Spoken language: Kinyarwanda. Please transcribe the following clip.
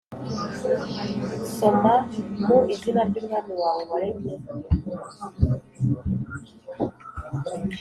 soma: mu izina ry’umwami wawe waremye.